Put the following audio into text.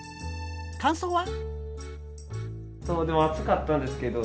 感想は？